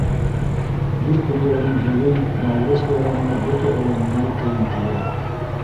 Бир көндәрҙең һилен — Науруз байрамында бөтәһе лә милли кейем кейә.